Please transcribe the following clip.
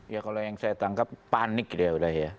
ya kalau yang saya tangkap panik dia udah ya